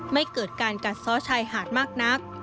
ไม่เกิดการกัดซ้อชายหาดมากนัก